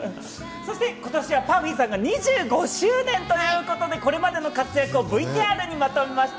そして今年はＰＵＦＦＹさんの２５周年ということで、これまでの活躍をＶＴＲにまとめました。